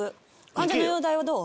患者の容体はどう？